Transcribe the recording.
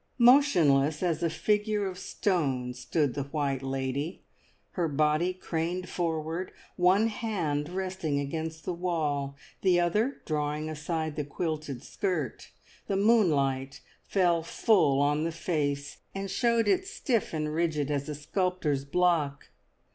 Motionless as a figure of stone stood the White Lady, her body craned forward, one hand resting against the wall, the other drawing aside the quilted skirt; the moonlight fell full on the face, and showed it stiff and rigid as a sculptor's block.